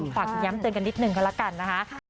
ฝากย้ำเติมกันนิดนึงกันละกันนะคะ